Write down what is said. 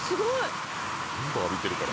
全部浴びてるから。